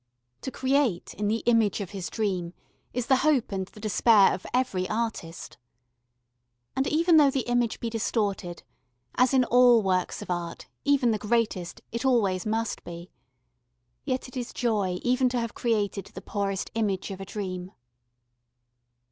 To create in the image of his dream is the hope and the despair of every artist. And even though the image be distorted as in all works of art, even the greatest, it always must be yet it is joy even to have created the poorest image of a dream.